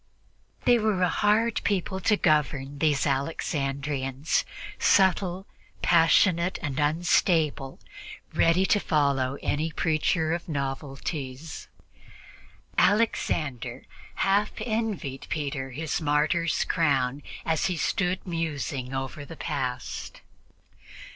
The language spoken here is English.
They were a hard people to govern, these Alexandrians subtle, passionate and unstable, ready to follow any preacher of novelties. Alexander half envied Peter his martyr's crown as he stood musing over the past.